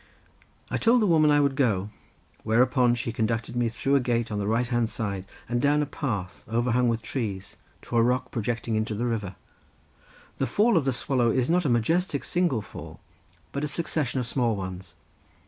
I told the woman I would go, whereupon she conducted me through a gate on the right hand side and down a path, overhung with trees to a rock projecting into the river. The Fall of the Swallow is not a majestic single fall, but a succession of small ones.